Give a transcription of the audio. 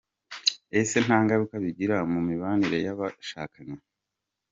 Ese nta ngaruka bigira mu mibanire y’abashakanye?.